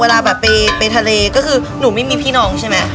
เวลาไปไปทะเลก็คือรู้มันไม่พี่น้องใช่ไหม